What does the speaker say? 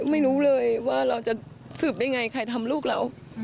ไม่รู้เลยว่าเราจะสืบได้ไงใครทำลูกเรา